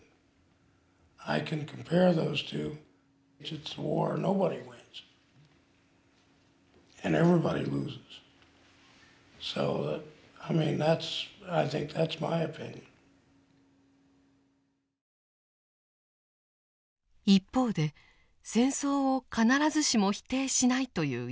一方で戦争を必ずしも否定しないという遺族もいました。